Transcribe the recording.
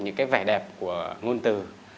những cái vẻ đẹp của ngôn từ